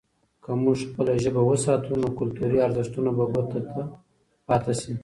که موږ خپله ژبه وساتو، نو کلتوري ارزښتونه به ګوته ته پاتې سي.